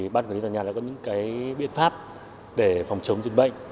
ban quản lý tòa nhà đã có những biện pháp để phòng chống dịch bệnh